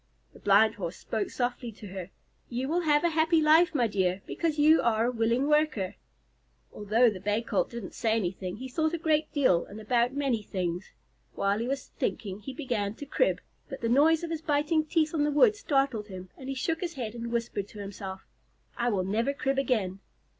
The Blind Horse spoke softly to her. "You will have a happy life, my dear, because you are a willing worker." Although the Bay Colt didn't say anything, he thought a great deal, and about many things. While he was thinking he began to crib, but the noise of his biting teeth on the wood startled him, and he shook his head and whispered to himself, "I will never crib again."